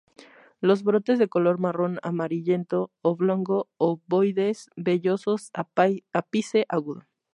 Los brotes de color marrón amarillento, oblongo-ovoides, vellosos, ápice agudo.